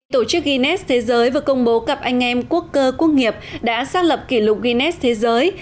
tổ chức guinness thế giới vừa công bố cặp anh em quốc cơ quốc nghiệp đã xác lập kỷ lục guinness thế giới